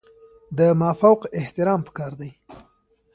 د مافوق احترام پکار دی